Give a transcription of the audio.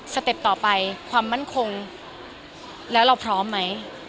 เต็ปต่อไปความมั่นคงแล้วเราพร้อมไหม